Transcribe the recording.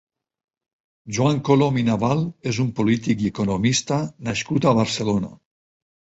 Joan Colom i Naval és un polític i economista nascut a Barcelona.